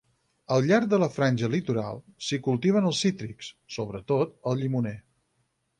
Al llarg de la franja litoral s'hi cultiven els cítrics, sobretot el llimoner.